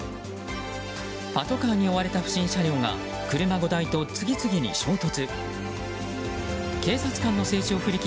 パトカーに追われた不審車両が車５台と次々に衝突。